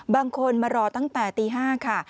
บางคนมารอตั้งแต่ตี๕ค่ะ